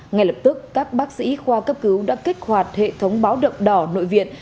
ngay lập tức các bác sĩ khoa cấp cứu đã kích hoạt hệ thống báo động đỏ nội viện